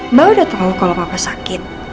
mbak udah tau kalau papa sakit